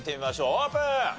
オープン！